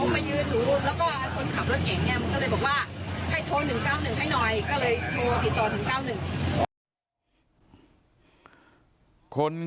มันก็เลยบอกว่าให้โทร๑๙๑ให้หน่อยก็เลยโทรติดต่อ๑๙๑